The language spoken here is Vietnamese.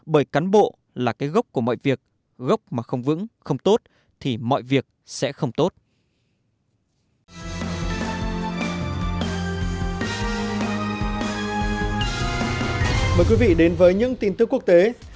bởi cán bộ là cái gốc của mọi việc gốc mà không vững không tốt thì mọi việc sẽ không tốt